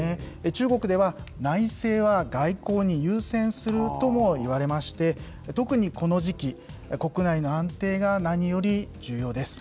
中国では、内政は外交に優先するともいわれまして、特にこの時期、国内の安定が何より重要です。